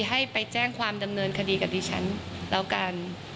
ให้ไปแจ้งความดำเนินคดีกับดิฉันแล้วกัน